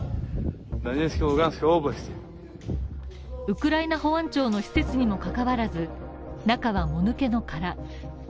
ウクライナ保安庁の施設にも関わらず、中はもぬけの殻。